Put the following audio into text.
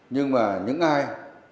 nhưng mà những ai